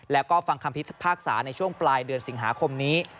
แล้วก็ฟังคำพิพากษาในช่วงปลายเดือนสิงหาคมนี้